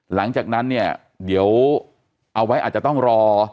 หลังจากนั้นเนี่ยเดี๋ยวเอาไว้อาจจะต้องรอ